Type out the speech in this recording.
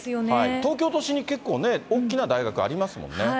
東京都心に結構ね、結構ね、大きな大学ありますもんね。